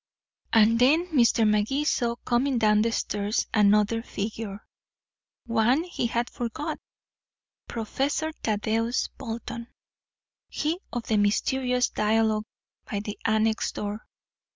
And then Mr. Magee saw coming down the stairs another figure one he had forgot Professor Thaddeus Bolton, he of the mysterious dialogue by the annex door.